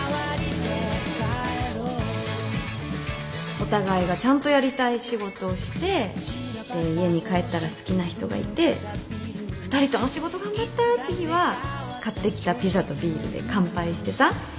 お互いがちゃんとやりたい仕事をしてで家に帰ったら好きな人がいて２人とも仕事頑張ったって日は買ってきたピザとビールで乾杯してさ